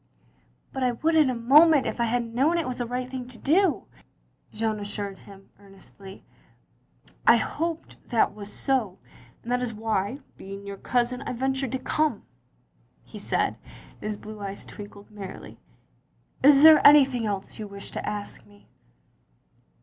" But I would in a moment if I had known it was a right thing to do," Jeanne assiired him, earnestly. " I hoped that was so, and that is why, being yoiir cousin, I ventured to come," he said, and his blue eyes twinkled merrily. "Is there any thing else you wish to ask me?